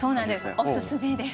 おすすめです。